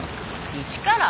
一から？